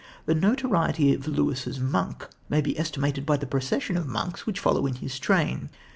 The notoriety of Lewis's monk may be estimated by the procession of monks who followed in his train.